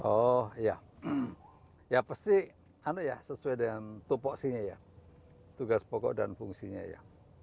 oh iya ya pasti sesuai dengan tupoksinya ya tugas pokok dan fungsinya ya